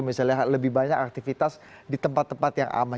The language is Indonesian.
misalnya lebih banyak aktivitas di tempat tempat yang aman